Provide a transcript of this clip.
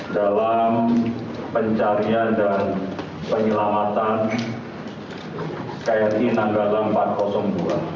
dalam pencarian dan penyelamatan kri nanggala empat ratus dua